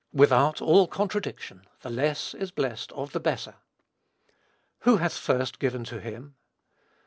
"Without all contradiction, the less is blessed of the better." "Who hath first given to him?"